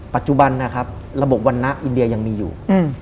ปัจจุบันนะครับระบบวันนะอินเดียยังมีอยู่